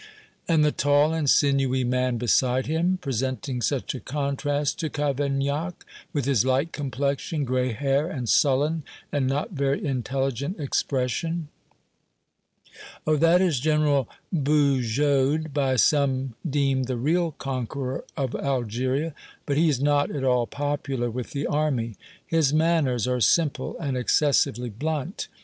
"And the tall and sinewy man beside him, presenting such a contrast to Cavaignac, with his light complexion, gray hair, and sullen and not very intelligent expression?" "Oh! that is General Bugeaud, by some deemed the real conqueror of Algeria. But he's not at all popular with the army. His manners are simple and excessively blunt.